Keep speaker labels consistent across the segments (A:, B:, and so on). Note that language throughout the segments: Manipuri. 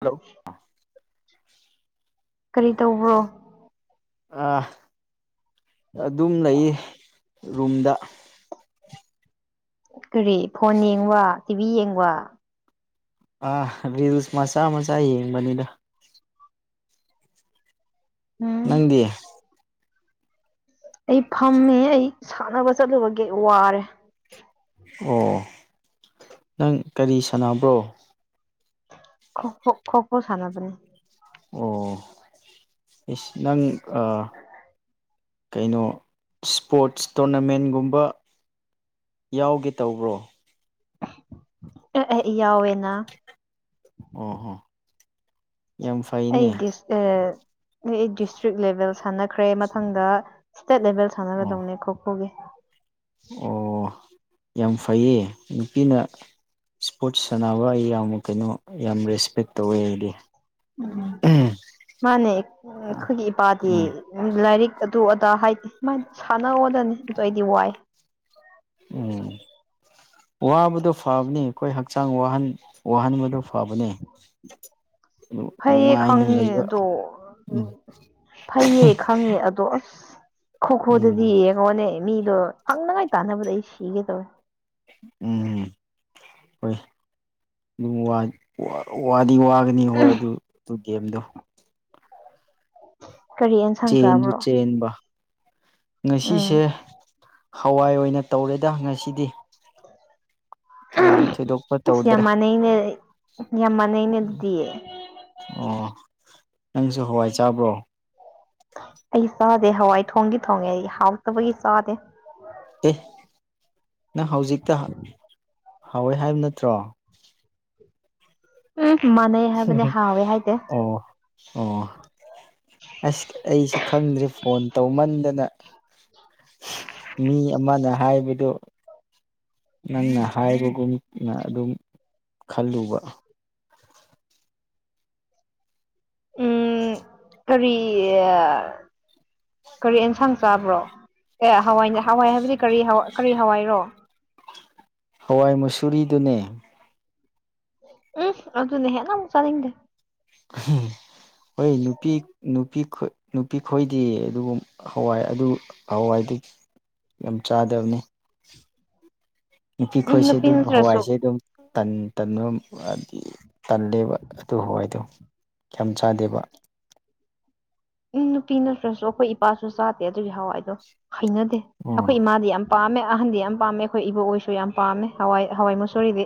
A: ꯍꯜꯂꯣ
B: ꯀꯔꯤ ꯇꯧꯕ꯭ꯔꯣ
A: ꯑ ꯑꯗꯨꯝ ꯂꯩꯌꯦ ꯔꯨꯝꯗ
B: ꯀꯔꯤ ꯐꯣꯟ ꯌꯦꯡꯕ ꯇꯤꯚꯤ ꯌꯦꯡꯕ
A: ꯑꯥ ꯁ ꯃꯆꯥ ꯃꯆꯥ ꯌꯦꯡꯕꯅꯤꯅ
B: ꯎꯝ
A: ꯅꯪꯗꯤ
B: ꯑꯩ ꯐꯝꯃꯦ ꯑꯩ ꯁꯥꯟꯅꯕ ꯆꯠꯂꯨꯕꯒꯤ ꯋꯥꯔꯦ
A: ꯑꯣ ꯅꯪ ꯀꯔꯤ ꯁꯥꯟꯅꯕ꯭ꯔꯣ
B: ꯈꯣ ꯈꯣ ꯈꯣ ꯈꯣ ꯁꯥꯟꯕꯅꯤ
A: ꯑꯣ ꯅꯪ ꯑ ꯀꯩꯅꯣ ꯏꯁꯄꯣꯔꯠꯁ ꯇꯣꯔꯅꯥꯃꯦꯟꯒꯨꯝꯕ ꯌꯥꯎꯒꯦ ꯇꯧꯕ꯭ꯔꯣ
B: ꯏ ꯌꯥꯎꯋꯦ ꯑꯩꯒꯤ ꯅ
A: ꯑꯣ ꯍꯣ ꯌꯥꯝ ꯐꯩꯅꯦ
B: ꯑꯩ ꯗꯤꯁꯇ꯭ꯔꯤꯛ ꯂꯦꯚꯦꯜ ꯁꯥꯟꯅꯈ꯭ꯔꯦ ꯃꯊꯪꯗ ꯏꯁꯇꯦꯠ ꯂꯦꯚꯦꯜ
A: ꯑꯣ
B: ꯁꯥꯟꯅꯒꯗꯧꯅꯦ ꯈꯣꯈꯣꯒꯤ
A: ꯑꯣ ꯌꯥꯝ ꯐꯩꯌꯦ ꯅꯨꯄꯤꯅ ꯏꯁꯄꯣꯔꯠꯁ ꯁꯥꯟꯅꯕ ꯑꯩ ꯌꯥꯝ ꯀꯩꯅꯣ ꯌꯥꯝ ꯔꯦꯁꯄꯦꯛ ꯇꯧꯋꯦ ꯑꯩꯗꯤ
B: ꯎꯝ ꯎꯝ ꯃꯥꯅꯦ ꯑꯩꯈꯣꯏꯒꯤ ꯏꯄꯥꯗꯤ
A: ꯎꯝ
B: ꯂꯥꯏꯔꯤꯛ ꯑꯗꯨ ꯑꯗꯥ ꯍꯥꯏꯗꯤꯃꯥꯏꯅ ꯁꯥꯟꯅꯑꯣꯗꯅꯤ ꯑꯗꯨ ꯑꯩꯗꯤ ꯋꯥꯏ
A: ꯎꯝ ꯋꯥꯕꯗꯣ ꯐꯕꯅꯤ ꯑꯩꯈꯣꯏ ꯍꯛꯆꯥꯡ ꯋꯥꯍꯟ ꯋꯥꯍꯟꯕꯗꯨ ꯐꯕꯅꯦ ꯑꯗꯨ
B: ꯐꯩꯌꯦ
A: ꯅꯨꯡꯉꯥꯏꯅ
B: ꯈꯪꯉꯦ
A: ꯂꯩꯕ
B: ꯑꯗꯣ
A: ꯎꯝ
B: ꯐꯩꯌꯦ ꯈꯪꯉꯦ ꯑꯗꯣ ꯑꯁ ꯈꯣꯈꯣꯗꯗꯤ
A: ꯎꯝ
B: ꯌꯦꯡꯉꯣꯅꯦ ꯃꯤꯗꯣ ꯐꯪꯅꯉꯥꯏ ꯇꯥꯟꯅꯕꯗ ꯑꯩ ꯁꯤꯒꯦ ꯇꯧꯋꯦ
A: ꯎꯝꯝ ꯍꯣꯏ ꯑꯗꯨꯝ ꯋꯥ ꯋꯥ ꯑꯗꯨ ꯋꯥꯒꯅꯤ ꯍꯣꯏ ꯑꯗꯨ ꯒꯦꯝꯗꯣ
B: ꯀꯔꯤ ꯑꯦꯟꯁꯥꯡ
A: ꯆꯦꯟꯗꯨ
B: ꯆꯥꯕ꯭ꯔꯣ
A: ꯆꯦꯟꯕ ꯉꯁꯤꯁꯦ
B: ꯎꯝ
A: ꯍꯋꯥꯏ ꯑꯣꯏꯅ ꯇꯧꯔꯦꯗ ꯉꯁꯤꯗꯤ ꯀꯌꯥꯝ ꯊꯣꯏꯗꯣꯛꯄ
B: ꯑꯁ ꯌꯥꯝ
A: ꯇꯧꯗ꯭ꯔꯦ
B: ꯃꯥꯟꯅꯩꯅꯦ ꯌꯥꯝ ꯃꯥꯟꯅꯩꯅꯦ ꯑꯗꯨꯗꯤ
A: ꯎ ꯑꯣ ꯅꯪꯁꯨ ꯍꯋꯥꯏ ꯆꯥꯕ꯭ꯔꯣ
B: ꯑꯩ ꯆꯥꯗꯦ ꯍꯋꯥꯏ ꯊꯣꯡꯒꯤ ꯊꯣꯡꯉꯦ ꯑꯩ ꯍꯥꯎꯇꯕꯒꯤ ꯆꯥꯗꯦ
A: ꯑꯦ ꯅꯪ ꯍꯧꯖꯤꯛꯇ ꯍꯥꯎꯋꯦ ꯍꯥꯏꯕ ꯅꯠꯇ꯭ꯔꯣ
B: ꯎ
A: ꯑꯣ ꯑꯣ ꯑꯁ ꯑꯩꯁꯨ ꯈꯪꯗ꯭ꯔꯦ ꯐꯣꯟ ꯇꯧꯃꯟꯗꯅ ꯃꯤ ꯑꯃꯅ ꯍꯥꯏꯕꯗꯨ ꯅꯪꯅ ꯍꯥꯏꯕꯒꯨꯝꯅ ꯑꯗꯨꯝ ꯈꯜꯂꯨꯕ
B: ꯎꯝ ꯀꯔꯤ ꯀꯔꯤ ꯑꯦꯟꯁꯥꯡ ꯆꯥꯕ꯭ꯔꯣ ꯑꯦ ꯍꯋꯥꯏꯅꯦ ꯍꯋꯥꯏ ꯍꯥꯏꯕꯗꯤ ꯀꯔꯤ ꯀꯔꯤ ꯍꯋꯥꯏꯔꯣ
A: ꯍꯋꯥꯏ ꯃꯁꯨꯨꯔꯤꯗꯨꯅꯦ
B: ꯎꯝ ꯑꯗꯨ ꯅ ꯍꯦꯅ ꯆꯅꯤꯡꯗꯦ
A: ꯎꯝ ꯍꯣꯏ ꯅꯨꯄꯤ ꯅꯨ ꯅꯨꯄꯤ ꯈꯣꯏꯗꯤ ꯑꯗꯨ ꯍꯋꯥꯏ ꯍꯋꯥꯏ ꯌꯥꯝ ꯆꯥꯗꯕꯅꯤ
B: ꯎꯝ
A: ꯅꯨꯄꯤꯈꯣꯏꯁꯦ
B: ꯅꯨꯄꯤ
A: ꯑꯗꯨꯝ
B: ꯅꯠꯇ꯭ꯔꯁꯨ
A: ꯍꯋꯥꯏꯁꯦ ꯑꯗꯨꯝ ꯇꯟ ꯇꯟꯅ ꯍꯥꯏꯗꯤ ꯇꯜꯂꯦꯕ ꯑꯗꯨ ꯍ ꯍꯥꯏꯗꯣ ꯀ ꯆꯥꯗꯦꯕ
B: ꯎꯝ ꯅꯨꯄꯤ ꯅꯠꯇ꯭ꯔꯁꯨ ꯑꯩꯈꯣꯏ ꯏꯄꯥꯁꯨ ꯆꯥꯗꯦ ꯑꯗꯨꯁꯨ ꯍꯥꯎꯋꯥꯏꯗꯣ ꯍꯩꯅꯗꯦ
A: ꯎꯝ
B: ꯑꯩꯈꯣꯏ ꯏꯃꯥꯗꯤ ꯌꯥꯝ ꯄꯥꯝꯃꯦ ꯑꯍꯟꯗꯤ ꯌꯥꯝ ꯄꯥꯝꯃꯦ ꯑꯩꯈꯣꯏ ꯏꯕ ꯑꯣꯏꯁꯨ ꯌꯥꯝ ꯄꯥꯝꯃꯦ ꯍꯋꯥꯏ ꯍꯋꯥꯏ ꯃꯨꯁꯣꯔꯤꯗꯤ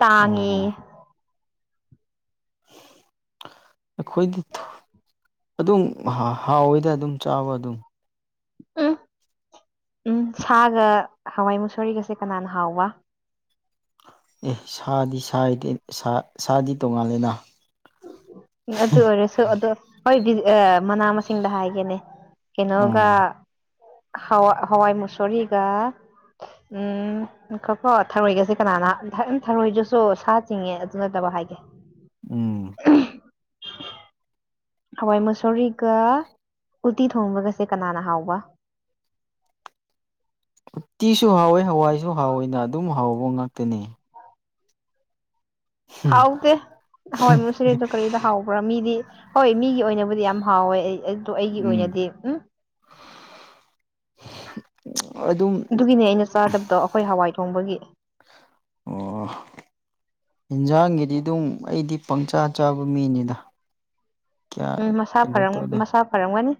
B: ꯇꯥꯉꯦ
A: ꯑꯣ ꯑꯩꯈꯣꯏꯗꯤ ꯑꯗꯨꯝ ꯍꯥꯎꯋꯦꯗꯔꯗꯤ ꯑꯗꯨꯝ ꯆꯥꯕ ꯑꯗꯨꯝ
B: ꯎꯝ ꯎꯝ ꯁꯥꯒ ꯍꯋꯥꯏ ꯃꯨꯁꯣꯔꯤꯒꯁꯦ ꯀꯅꯥꯅ ꯍꯥꯎꯕ
A: ꯑꯦ ꯁꯥꯗꯤ ꯁꯥꯗꯤ ꯇꯣꯡꯉꯥꯂꯦꯅ
B: ꯑꯗꯨ ꯑꯣꯏꯔꯁꯨ ꯑ ꯍꯣꯏ ꯃꯅꯥ ꯃꯁꯤꯡꯗ ꯍꯥꯏꯒꯦꯅꯦ ꯀꯩꯅꯣꯒ
A: ꯎꯝ
B: ꯍꯋꯥ ꯍꯋꯥꯏ ꯃꯨꯁꯔꯤꯒ ꯎꯝ ꯀꯣ ꯊꯔꯣꯏꯒꯁꯦ ꯀꯅꯥꯅ ꯊꯔꯣꯏꯗꯨꯁꯨ ꯁꯥ ꯆꯤꯡꯉꯦ ꯑꯗꯨ ꯅꯠꯇꯕ ꯍꯥꯏꯒꯦ
A: ꯎꯝ
B: [unintelligible] ꯍꯋꯥꯏ ꯃꯁꯣꯔꯤꯒ ꯎꯇꯤ ꯊꯣꯡꯕꯒꯁꯦ ꯀꯅꯥꯅ ꯍꯥꯎꯕ
A: [inaudible] ꯎꯇꯤꯁꯨ ꯍꯥꯎꯋꯦ ꯍꯋꯥꯏꯁꯨ ꯍꯥꯎꯋꯦꯅ ꯑꯗꯨꯝ ꯍꯥꯎꯕ ꯉꯥꯛꯇꯅꯤ
B: ꯍꯥꯎꯗꯦ ꯍꯋꯥꯏꯃꯨꯁꯤꯔꯦꯗꯣ ꯀꯔꯤꯗ ꯍꯥꯎꯕ꯭ꯔꯥ ꯃꯤꯗꯤ ꯍꯣꯏ ꯃꯤꯒꯤ ꯑꯣꯏꯅꯕꯨꯗꯤ ꯌꯥꯝ ꯍꯥꯎꯋꯦ ꯑꯩ ꯑꯗꯨ ꯑꯩꯒꯤ
A: ꯎꯝ
B: ꯑꯣꯏꯅꯗꯤ ꯎꯝ
A: ꯑ
B: ꯑꯗꯨꯒꯤꯅꯦ ꯑꯩꯅ ꯆꯥꯗꯕꯗꯣ ꯑꯩꯈꯣꯏ ꯍꯋꯥꯏ ꯊꯣꯡꯕꯒꯤ
A: ꯑꯣ ꯏꯟꯖꯥꯡꯒꯤꯗꯤ ꯑꯗꯨꯝ ꯑꯩꯗꯤ ꯄꯪꯆꯥ ꯆꯥꯕ ꯃꯤꯅꯤꯗ ꯀꯌꯥ
B: ꯎꯝ ꯃꯁꯥ
A: ꯀꯩꯅꯣ
B: ꯐꯝ
A: ꯇꯧꯗꯦ
B: ꯃꯁꯥ ꯐꯔꯝꯒꯅꯤ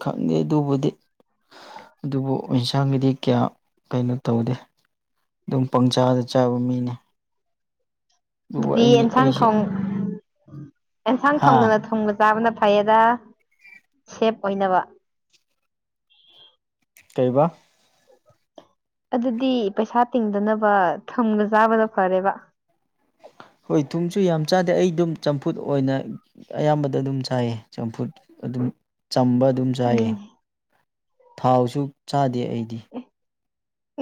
A: ꯈꯪꯗꯦ ꯑꯗꯨꯕꯨꯗꯤ ꯑꯗꯨꯕꯨ ꯑꯦꯟꯁꯥꯡꯒꯤꯗꯤ ꯀꯌꯥ ꯀꯩꯅꯣ ꯇꯧꯗꯦ ꯑꯗꯨꯝ ꯄꯪꯆꯥꯥꯗ ꯆꯥꯕ ꯃꯤꯅꯤ
B: ꯑꯗꯨꯗꯤ ꯑꯦꯟꯁꯥꯡ ꯊꯣꯡ ꯑꯦꯟꯁꯥꯡ
A: ꯍꯥ
B: ꯊꯣꯡꯗꯨꯅ ꯊꯣꯡꯕ ꯆꯥꯕꯅ ꯐꯩꯌꯦꯗ ꯁꯦꯞ ꯑꯣꯏꯅꯕ
A: ꯀꯩꯔꯤꯕ
B: ꯑꯗꯨꯗꯤ ꯄꯩꯁꯥ ꯇꯤꯡꯗꯅꯕ ꯊꯕ ꯆꯥꯕꯗ ꯐꯔꯦꯕ
A: [inaudible] ꯍꯣꯏ ꯊꯨꯝꯁꯨ ꯌꯥꯝ ꯆꯥꯗꯦ ꯑꯩ ꯑꯗꯨꯝ ꯆꯝꯐꯨꯠ ꯑꯣꯏꯅ ꯑꯌꯥꯝꯕꯗ ꯑꯗꯨꯝ ꯆꯥꯏꯌꯦ ꯆꯝꯐꯨꯠ ꯑꯗꯨ ꯆꯝꯕ ꯑꯗꯨꯝ ꯆꯥꯏꯌꯦ
B: ꯎꯝ
A: ꯊꯥꯎꯁꯨ ꯆꯥꯗꯦ ꯑꯩꯗꯤ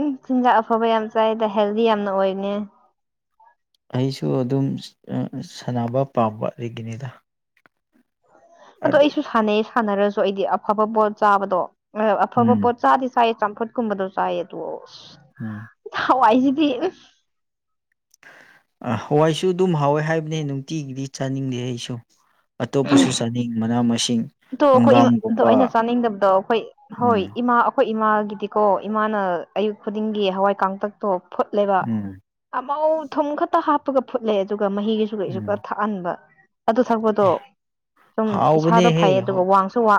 B: ꯎ ꯆꯤꯟꯖꯥꯛ ꯑꯐꯕ ꯌꯥꯝ ꯆꯥꯏꯗ ꯍꯦꯜꯗꯤ ꯌꯥꯝꯅ ꯑꯣꯏꯅꯦ
A: ꯑꯩꯁꯨ ꯑꯗꯨꯝ ꯁꯥꯟꯅꯕ ꯄꯥꯝꯕ ꯑꯩꯒꯤꯅꯦꯗ
B: ꯑꯗꯣ ꯑꯩꯁꯨ ꯁꯥꯟꯅꯩ ꯁꯥꯟꯅꯔꯁꯨ ꯑꯩꯗꯤ ꯑꯐꯕ ꯄꯣꯠ ꯆꯥꯕꯗꯣ ꯑꯐꯕ
A: ꯎꯝ
B: ꯄꯣꯠ ꯆꯥꯗꯤ ꯆꯥꯏ ꯆꯝꯐꯨꯠꯀꯨꯝꯕꯗꯣ ꯆꯥꯏꯌꯦ ꯑꯗꯨꯣ
A: ꯎꯝ [inaudible]
B: ꯋꯥꯏꯁꯤꯗꯤ
A: ꯑ ꯍꯋꯥꯏꯁꯨ ꯑꯗꯨꯝ ꯍꯥꯎꯋꯦ ꯍꯥꯏꯕꯅꯦ ꯅꯨꯡꯇꯤꯒꯤꯗꯤ ꯆꯥꯅꯤꯡꯗꯦ ꯑꯩꯁꯨ ꯑꯇꯣꯞꯄꯁꯨ ꯆꯥꯅꯤꯡ ꯃꯅꯥ ꯃꯁꯤꯡ
B: ꯑꯣ ꯑꯩꯈꯣꯏ ꯏꯃꯥ ꯑꯗ ꯑꯩꯅ
A: ꯍꯪꯒꯥꯝꯒꯨꯝꯕ
B: ꯆꯥꯅꯤꯡꯗꯕꯗꯣ ꯑꯩꯈꯣꯏ ꯍꯣꯏ
A: ꯎꯝ
B: ꯏꯃꯥ ꯑꯩꯈꯣꯏ ꯏꯃꯥꯒꯤꯗꯤꯀꯣ ꯏꯃꯥꯅ ꯑꯌꯨꯛ ꯈꯨꯗꯤꯡꯒꯤ ꯍꯋꯥꯏ ꯀꯥꯡꯇꯛꯇꯣ ꯐꯨꯠꯂꯦꯕ
A: ꯎꯝ
B: ꯃꯥꯧ ꯊꯨꯝ ꯈꯛꯇ ꯍꯥꯞꯄꯒ ꯐꯨꯠꯂꯦ ꯑꯗꯨꯒ ꯃꯍꯤꯒꯤꯁꯨ ꯀꯩꯁꯨ ꯈ
A: ꯎꯝ
B: ꯊꯥꯛꯍꯟꯕ ꯑꯗꯨ ꯊꯛꯄꯗꯣ ꯁꯨꯝ ꯏꯁꯥꯗ
A: ꯍꯥꯎꯕꯅꯦꯍꯦ
B: ꯐꯩ ꯑꯗꯨꯒ ꯋꯥꯡꯁꯨ ꯋꯥ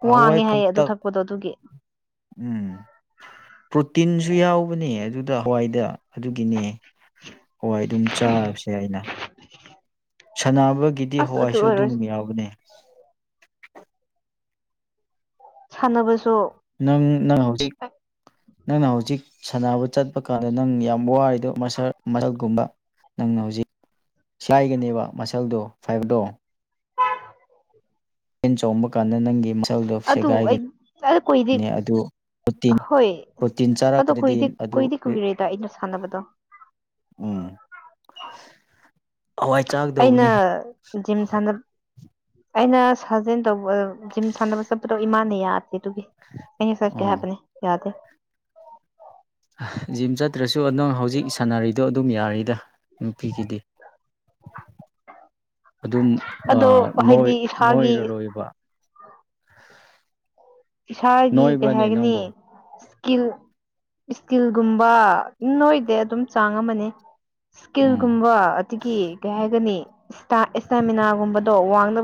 A: ꯍꯋꯥꯏ
B: ꯋꯥꯡꯉꯦ ꯍꯥꯏꯌꯦ ꯑꯗꯨ
A: ꯀꯪꯇꯛ
B: ꯊꯛꯄꯗꯣ ꯑꯗꯨꯒꯤ
A: ꯎꯝ ꯄ꯭ꯔꯣꯇꯤꯟꯁꯨ ꯌꯥꯎꯕꯅꯦ ꯑꯗꯨꯗ ꯍꯋꯥꯏꯗ ꯑꯗꯨꯒꯤꯅꯦ ꯍꯣꯏ ꯑꯗꯨꯝ ꯆꯥꯔꯁꯦ ꯑꯩꯅ ꯁꯥꯟꯅꯕꯒꯤꯗꯤ
B: ꯑꯁ ꯑꯗꯨ
A: ꯍꯋꯥꯏꯁꯨ
B: ꯑꯣꯏꯔꯁꯨ
A: ꯑꯗꯨꯨꯝꯕ ꯌꯥꯕꯅꯦ
B: ꯁꯥꯟꯅꯕꯁ
A: ꯅꯪ ꯅꯪ ꯍꯧꯖꯤꯛ ꯅꯪꯅ ꯍꯧꯖꯤꯛ ꯁꯥꯟꯅꯕ ꯆꯠꯄ ꯀꯥꯟꯗ ꯅꯪ ꯌꯥꯝ ꯋꯥꯔꯤ ꯑꯗꯣ ꯃꯁ ꯃꯁꯜꯒꯨꯝꯕ ꯅꯪꯅ ꯍꯧꯖꯤꯛ ꯁꯥꯏꯒꯅꯦꯕ ꯃꯁꯜꯗꯨꯣ ꯐꯥꯏꯕꯗꯣ
B: ꯑ [unintelligible] [inaudible]
A: ꯍꯦꯟ ꯆꯣꯡꯕ ꯀꯥꯟꯗ ꯅꯪꯒꯤ ꯃꯁꯜꯗꯣ
B: ꯑꯗꯨ ꯑꯩ ꯑꯩ ꯀꯣꯏꯗꯤ
A: ꯁꯦꯒꯥꯏꯒꯅꯤ ꯑꯗꯨ ꯄ꯭ꯔꯣꯇꯤꯟ ꯄ꯭ꯔꯣꯇꯤꯟ ꯆꯥꯔꯛꯇ꯭ꯔꯗꯤ ꯑꯗꯨ
B: ꯀꯣꯏꯗꯤ ꯀꯣꯏ ꯔꯦꯗ ꯏꯟꯅ ꯁꯥꯟꯗꯕꯗ
A: ꯎꯝ [inaudible]
B: ꯑꯩꯅ
A: ꯆꯥꯒꯗꯧꯕꯅꯦ
B: ꯖꯤꯝ ꯁꯥꯟꯅꯕ ꯑꯩꯅ ꯁꯥꯖꯦꯜ ꯇꯧꯕ ꯖꯤꯝ ꯁꯥꯟꯅꯕ ꯆꯠꯄꯗꯣ ꯏꯃꯥꯅ ꯌꯥꯦ ꯇꯨꯒꯤ ꯑꯩꯅ ꯁ
A: ꯎꯝ
B: ꯀꯌꯥꯅꯦ ꯌꯥꯗꯦ
A: ꯖꯤꯝ ꯆꯠꯇ꯭ꯔꯁꯨ ꯅꯗꯪ ꯍꯧꯖꯤꯛ ꯁꯥꯟꯅꯔꯤꯗꯣ ꯑꯗꯨꯝ ꯌꯥꯔꯤꯗ ꯅꯨꯄꯤꯒꯤꯗꯤ ꯎꯝ [unintelligible] [inaudible]
B: ꯑꯗꯣ
A: ꯑꯗꯨꯝꯣꯏ
B: ꯍꯥꯏꯗꯤ ꯏꯁꯥꯒꯤ
A: ꯅꯣꯏꯔꯔꯣꯏꯕ
B: ꯁꯥꯒꯤ ꯀꯩ
A: ꯅꯣꯏꯕ꯭ꯔꯅꯦ
B: ꯍꯥꯏꯒꯅꯤ
A: ꯅꯪꯕꯨ
B: ꯏꯁꯀꯤꯜ ꯏꯁꯀꯤꯜꯒꯨꯝꯕ ꯅꯣꯏꯗꯦ ꯑꯗꯨꯝ ꯆꯥꯡ ꯑꯃꯅꯤ
A: ꯎꯝ
B: ꯏꯁꯀꯤꯜꯒꯨꯝꯕ ꯑꯗꯒꯤ ꯀꯩ ꯍꯥꯏꯒꯅꯤ ꯏꯁꯇꯥꯃꯤꯅꯥꯒꯨꯝꯕꯗꯣ ꯋꯥꯡ ꯪ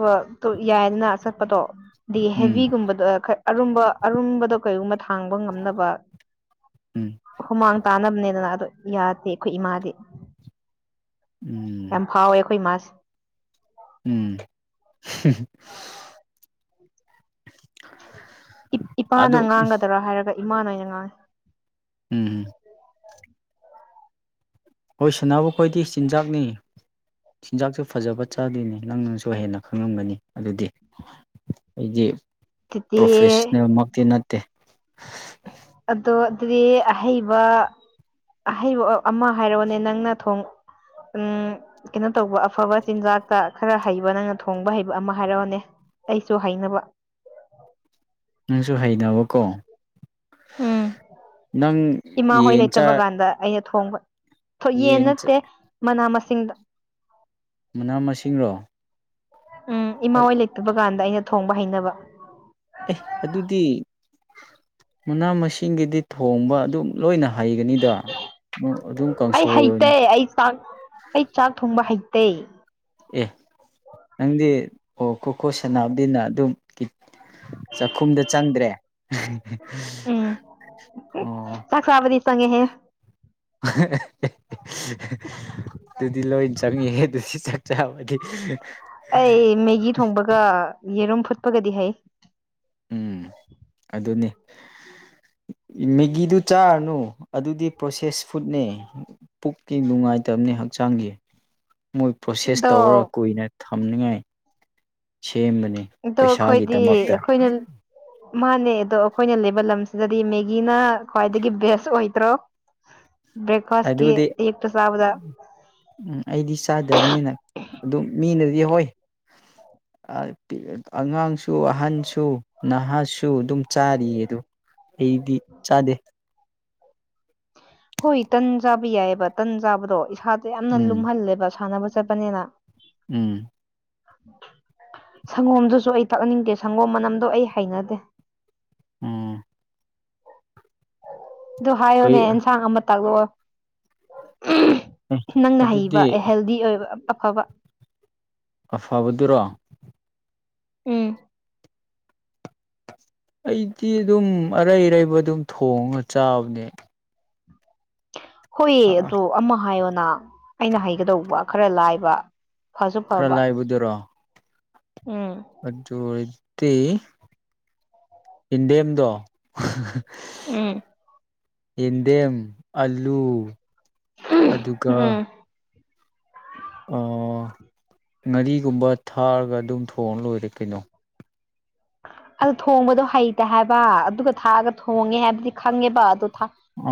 B: ꯌꯥꯏꯗꯅ ꯆꯠꯄꯗꯣ ꯑꯗꯒꯤ
A: ꯎꯝ
B: ꯍꯦꯚꯒꯨꯝꯕꯗꯣ ꯑꯔꯨꯝꯕ ꯑꯔꯨꯝꯕꯗꯣ ꯀꯩꯒꯨꯝꯕ ꯊꯥꯡꯕ ꯉꯝꯅꯕ
A: ꯎꯝ
B: ꯍꯨꯃꯥꯡ ꯇꯥꯅꯕꯅꯦꯗꯅ ꯑꯗꯨ ꯌꯥꯗꯦ ꯑꯩꯈꯣꯏ ꯏꯃꯥꯗꯤ
A: ꯎꯝ
B: ꯑꯦꯝ ꯐꯥꯎꯦꯈꯣꯏ ꯃꯥꯁ
A: ꯎꯝ [inaudible]
B: ꯏꯄꯥꯅ
A: ꯑꯗꯨ
B: ꯉꯥꯡꯒꯗꯔꯥ ꯍꯥꯏꯔꯒ ꯏꯃꯥꯅꯣꯏꯅ ꯉꯥꯡꯉꯤ
A: ꯎꯝꯝ [inaudible] ꯍꯣꯏ ꯁꯅꯕ ꯈꯣꯏꯗꯤ ꯆꯤꯟꯖꯥꯛꯅꯤ ꯆꯤꯟꯖꯥꯛꯁꯨ ꯐꯖꯕ ꯆꯥꯗꯣꯏꯅꯦ ꯅꯪꯅꯪꯁꯨ ꯍꯦꯟꯅ ꯈꯪꯉꯝꯒꯅꯤ ꯑꯗꯨꯗꯤ ꯑꯩꯗꯤ
B: ꯆꯤꯆꯦ
A: ꯄ꯭ꯔꯣꯐꯦꯁꯅꯦꯜꯃꯛꯇꯤ ꯅꯠꯇꯦ
B: ꯑꯗꯣ ꯑꯗꯨꯗꯤ ꯑꯍꯩꯕ ꯑꯍꯩꯕ ꯑꯃ ꯍꯥꯏꯔꯛꯑꯣꯅꯦ ꯅꯪꯅ ꯊꯣꯡ ꯎꯝ ꯀꯩꯅꯣ ꯇꯧꯕ ꯑꯐꯕ ꯆꯤꯟꯖꯥꯛꯇ ꯈꯔ ꯍꯩꯕ ꯅꯪꯅ ꯊꯣꯡꯕ ꯍꯩꯕ ꯑꯃ ꯍꯥꯏꯔꯛꯑꯣꯅꯦ ꯑꯩꯁꯨ ꯍꯥꯏꯅꯕ
A: [unintelligible] [inaudible] ꯍꯩꯅꯕꯀꯣ
B: ꯎꯝ
A: ꯅꯪ [inaudible]
B: ꯏꯃꯥ ꯍꯣꯏ ꯂꯩꯇꯕ
A: ꯆꯥ
B: ꯀꯥꯟꯗ ꯑꯩꯅ ꯊꯣꯡꯕ ꯌꯦꯟ ꯅꯠꯇꯦ ꯃꯅꯥ ꯃꯁꯤꯡ ꯁꯤꯡꯗ
A: ꯃꯅꯥ ꯃꯁꯤꯡꯔꯣ
B: ꯎꯝ ꯏꯃꯥ ꯍꯣꯏ ꯂꯩꯇꯕ ꯀꯥꯟꯗ ꯑꯩꯅ ꯊꯣꯡꯕ ꯍꯩꯅꯕ
A: ꯑꯦ ꯑꯗꯨꯗꯤ ꯃꯅꯥ ꯃꯁꯤꯡꯒꯤꯗꯤ ꯊꯣꯡꯕ ꯑꯗꯨꯝ ꯂꯣꯏꯅ ꯍꯩꯒꯅꯤꯗ ꯑꯗꯨꯝ
B: ꯑꯩ
A: ꯀꯥꯡꯁꯣꯏ
B: ꯍꯩꯇꯦ
A: ꯑꯣꯏꯅ
B: ꯑꯩ ꯆꯥꯛ ꯑꯩ ꯆꯥꯛ ꯊꯣꯡꯕ ꯍꯩꯇ ꯇ
A: ꯑꯦ ꯅꯪꯗꯤ ꯑꯣ ꯈꯨꯣꯈꯣ ꯁꯅꯕꯗꯤꯅ ꯑꯗꯨꯝ ꯆꯥꯛꯈꯨꯝꯗ ꯆꯪꯗ꯭ꯔꯦ
B: ꯎꯝ
A: ꯑꯣ
B: ꯆꯁꯕꯗꯤ ꯆꯉꯦꯍꯦ
A: ꯑꯗꯨꯗꯤ ꯂꯣꯏ ꯆꯪꯉꯍꯦ ꯑꯗꯨꯗꯤ ꯆꯥꯛ ꯆꯥꯕꯒꯤ
B: ꯑꯩ ꯃꯦꯒꯤ ꯊꯣꯡꯕꯒ ꯌꯦꯔꯨꯝ ꯐꯨꯠꯄꯒꯗꯤ ꯍꯩ
A: ꯎꯝ ꯑꯗꯨꯅꯤ ꯃꯦꯒꯤꯗꯨ ꯆꯥꯔꯅꯨ ꯑꯗꯨꯗꯤ ꯄ꯭ꯔꯣꯁꯦꯁ ꯐꯨꯗꯅꯦ ꯄꯨꯛꯀꯤ ꯅꯨꯡꯉꯥꯏꯇꯕꯅꯤ ꯍꯛꯆꯥꯡꯒꯤ ꯃꯣꯏ ꯄ꯭ꯔꯣꯁꯦꯁ ꯇꯧꯔ
B: ꯑꯗꯣ
A: ꯀꯨꯏꯅ ꯊꯝꯅꯤꯉꯥꯏ ꯁꯦꯝꯕꯅꯤ
B: ꯑꯗꯣ ꯑꯩꯈꯣꯏꯗꯤ
A: ꯄꯩꯁꯥꯒꯤꯗꯃꯛꯇ
B: ꯑꯩꯈꯣꯏꯅ ꯃꯥꯅꯦ ꯑꯗꯣ ꯑꯩꯈꯣꯏꯅ ꯂꯩꯕ ꯂꯝꯁꯤꯗꯗꯤ ꯃꯦꯒꯤꯅ ꯈ꯭ꯋꯥꯏꯗꯒꯤ ꯕꯦꯁ ꯑꯣꯏ ꯇ꯭ꯔꯛ
A: ꯑꯗꯨꯗꯤ ꯎꯝ ꯑꯩꯗꯤ ꯆꯥꯗꯕꯅꯤꯅ ꯑꯗꯨꯝ ꯃꯤꯅꯗꯤ ꯏ ꯍꯣꯏ ꯑꯉꯥꯡꯁꯨ ꯑꯍꯟꯁꯨ ꯅꯍꯥꯁꯨ ꯑꯗꯨꯝ ꯆꯥꯔꯤꯌꯦ ꯑꯗꯨ ꯑꯩꯗꯤ ꯆꯥꯗꯦ
B: ꯍꯣꯏ ꯇꯟ ꯆꯥꯕ ꯌꯥꯏꯑꯕ ꯇꯟ ꯆꯥꯕꯗꯣ ꯏꯁꯥꯗ ꯌꯥꯝꯅ
A: ꯎꯝ
B: ꯂꯨꯝꯍꯜꯂꯦꯕ ꯁꯥꯟꯅꯕ ꯄꯅꯤꯅ
A: ꯎꯝ
B: ꯁꯪꯒꯣꯝꯗꯨꯁꯨ ꯑꯩ ꯇꯥꯛꯅꯤꯡꯗꯦ ꯁꯪꯒꯣꯝ ꯃꯅꯝꯗꯣ ꯑꯩ ꯍꯩꯅꯗꯦ
A: ꯎꯝ
B: ꯑꯗꯨ ꯍꯥꯏꯌꯣꯅꯦ
A: ꯀꯩ
B: ꯑꯦꯟꯁꯥꯡ ꯑꯃ ꯇꯥꯛꯂꯛꯑꯣ ꯅꯪꯅ ꯍꯩꯕ
A: ꯑꯗꯨꯗꯤ
B: ꯍꯦꯜꯗꯤ ꯑꯣꯏꯕ ꯑꯐꯕ
A: ꯑꯐꯕꯗꯨꯔꯣ
B: ꯎꯝ
A: ꯑꯩꯗꯤ ꯑꯗꯨꯝ ꯑꯔꯩ ꯑꯔꯩꯕ ꯑꯗꯨꯝ ꯊꯣꯡꯉ ꯆꯥꯕꯅꯦ
B: ꯍꯣꯏꯑ ꯑꯗꯨꯗ ꯑꯃ ꯍꯥꯏꯌꯣꯅ ꯑꯩꯅ ꯍꯥꯏꯒꯗꯧꯕ ꯈꯔ ꯂꯥꯏꯕ ꯐꯁꯨ
A: ꯈꯔ
B: ꯐꯕ
A: ꯂꯥꯏꯕꯗꯨꯔꯣ
B: ꯎꯝ
A: ꯑꯗꯨꯖ ꯑꯣꯏ ꯇꯤ ꯏꯟꯗꯦꯝꯗꯣ
B: ꯎꯝ
A: ꯌꯦꯟꯗꯦꯝ ꯑꯂꯨ ꯑꯗꯨꯒ
B: ꯎꯝ
A: ꯉꯥꯔꯤꯒꯨꯝꯕ ꯊꯥꯔꯒ ꯑꯗꯨꯝ ꯊꯣꯡꯉ ꯂꯣꯏꯔꯦ ꯀꯩꯅꯣ
B: ꯑ ꯊꯣꯡꯕꯗꯣ ꯍꯩꯇ ꯍꯥꯏꯕ ꯑꯗꯨꯒ ꯊꯥꯛꯑꯒ ꯊꯣꯡꯉꯦ ꯍꯥꯏꯕꯗꯤ ꯈꯪꯉꯦꯕ ꯑꯗꯨ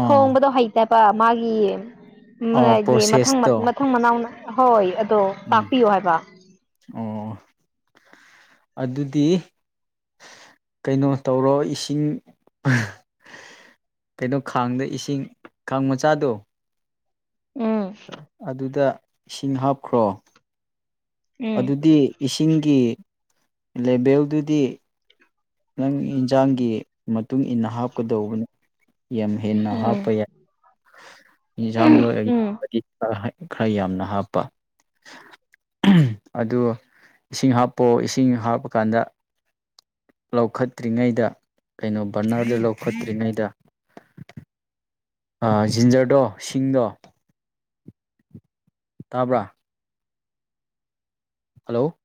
A: ꯑꯥ
B: ꯊꯣꯡꯕꯗꯣ ꯍꯩꯇꯕ ꯃꯥꯒꯤ
A: ꯑꯥ
B: ꯍꯥꯏꯗꯤ ꯃꯊꯪ
A: ꯄ꯭ꯔꯣꯁꯦꯁꯇꯣ
B: ꯃꯊꯪ ꯃꯅꯥꯎꯅ ꯍꯣꯏ ꯑꯗꯣ
A: ꯎꯝ
B: ꯇꯥꯛꯄꯤꯌꯣ ꯍꯥꯏꯕ
A: ꯑꯣ ꯑꯗꯨꯗꯤ ꯀꯩꯅꯣ ꯇꯧꯔꯣ ꯏꯁꯤꯡ ꯀꯩꯅꯣ ꯈꯥꯡꯗ ꯏꯁꯤꯡ ꯈꯥꯡ ꯃꯆꯥꯗꯣ
B: ꯎꯝ
A: ꯑꯗꯨꯗ ꯏꯁꯤꯡ ꯍꯥꯞꯈ꯭ꯔꯣ
B: ꯎꯝ
A: ꯑꯗꯨꯗꯤ ꯏꯁꯤꯡꯒꯤ ꯂꯦꯚꯦꯜꯗꯨꯗꯤ ꯅꯪ ꯌꯦꯟꯁꯥꯡꯒꯤ ꯃꯇꯨꯡ ꯏꯟꯅ ꯍꯥꯞꯀꯗꯧꯕꯅꯦ ꯌꯥꯝ ꯍꯦꯟꯅ
B: ꯎꯝ
A: ꯍꯥꯞꯄ ꯌꯥꯏ ꯌꯦꯟꯁꯥꯡꯗꯣ
B: ꯎꯝ
A: ꯈꯔ ꯌꯥꯝꯅ ꯍꯥꯞꯄ ꯑꯗꯨ ꯏꯁꯤꯡ ꯍꯥꯞꯄꯣ ꯏꯁꯤꯡ ꯍꯥꯞꯄ ꯀꯥꯟꯗ ꯂꯧꯈꯠꯇ꯭ꯔꯤꯉꯩꯗ ꯀꯩꯅꯣ ꯕꯔꯅꯔꯗ ꯂꯧꯈꯠꯇ꯭ꯔꯤꯉꯩꯗ ꯑ ꯖꯤꯟꯖꯔꯗꯣ ꯁꯤꯡꯗꯣ ꯇꯥꯕ꯭ꯔꯥ ꯍꯜꯂꯣ